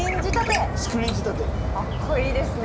かっこいいですねえ。